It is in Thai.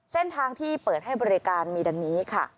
เส้นทางที่เปิดให้บริการมีดังนี้ค่ะ